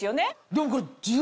でもこれ。